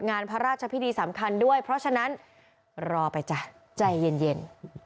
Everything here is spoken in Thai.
งานพระราชพิธีสำคัญด้วยเพราะฉะนั้นรอไปจ้ะใจเย็น